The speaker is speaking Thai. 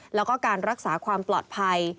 แล้วก็การรักษาความปลอดภัย